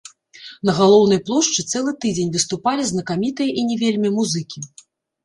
На галоўнай плошчы цэлы тыдзень выступалі знакамітыя і не вельмі музыкі.